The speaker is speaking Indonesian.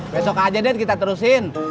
besok aja deh kita terusin